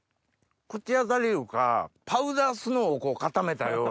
口当たりいうかパウダースノーを固めたような。